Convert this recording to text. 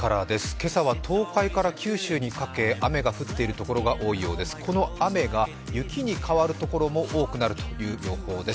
今朝は東海から九州にかけ雨が降っているところが多いようです。